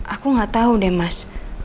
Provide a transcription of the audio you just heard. aku nggak tahu deh mas